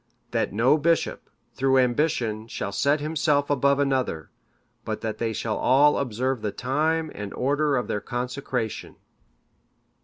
That no bishop, through ambition, shall set himself above another; but that they shall all observe the time and order of their consecration.